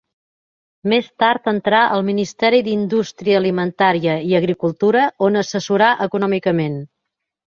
Més tard entrà al Ministeri d'Indústria Alimentària i Agricultura on assessorà econòmicament.